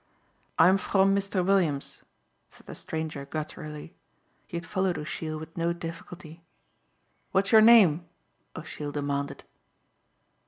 "I'm from Mr. Williams," said the stranger gutturally. He had followed O'Sheill with no difficulty. "What's your name?" O'Sheill demanded.